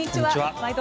「ワイド！